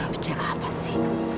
bicara apa sih